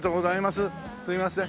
すいません。